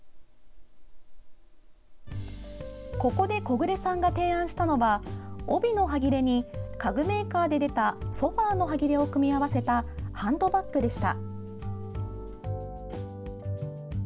ここで木榑さんが提案したのは帯のはぎれに家具メーカーで出たソファーのはぎれを組み合わせたハンドバッグでした。